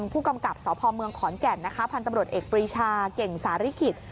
ผู้กำกับสพเมืองขอนแก่นนะคะพันธุ์ตำรวจเอกปรีชาเก่งสาริกิจ